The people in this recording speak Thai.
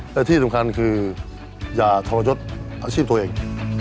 และที่สำคัญคืออย่าทรยศอาชีพตัวเอง